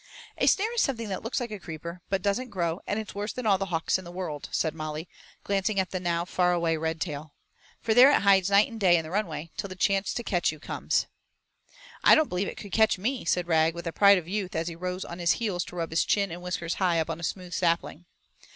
"A snare is something that looks like a creeper, but it doesn't grow and it's worse than all the hawks in the world," said Molly, glancing at the now far away red tail, "for there it hides night and day in the runway till the chance to catch you comes." "I don't believe it could catch me," said Rag, with the pride of youth as he rose on his heels to rub his chin and whiskers high up on a smooth sapling.